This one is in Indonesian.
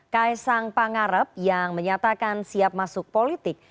kaisang pangarep yang menyatakan siap masuk politik